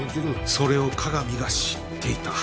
それを加賀見が知っていた。